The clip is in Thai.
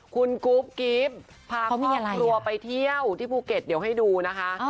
คุณกุ๊บกิ๊บพาครอบครัวไปเที่ยวที่ภูเก็ตเดี๋ยวให้ดูนะคะ